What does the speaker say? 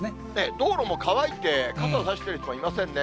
道路も乾いて、傘差している人もいませんね。